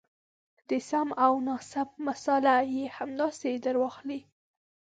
د سم او ناسم مساله یې همداسې درواخلئ.